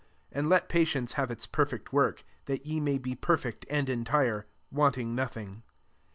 f And let patience have its per ect work : that ye may be per iect and entire, wanting no Jiing.